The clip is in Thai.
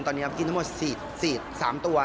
ตอนนี้กินทั้งหมด๔๓ตัว